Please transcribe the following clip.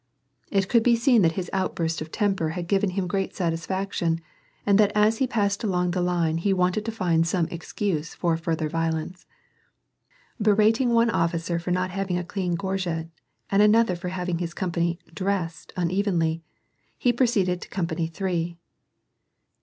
It could be seen that his outburst of temper had given him great satis< faction, and that as he passed along the line he wanted to iind some excuse for further violence. Berating one officer for not having a clean gorget, and another for having his com pany "dressed" unevenly, he proceeded to company three.